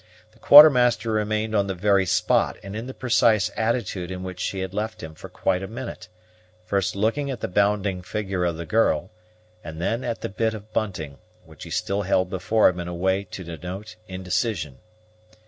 The Quartermaster remained on the very spot and in the precise attitude in which she had left him for quite a minute, first looking at the bounding figure of the girl and then at the bit of bunting, which he still held before him in a way to denote indecision.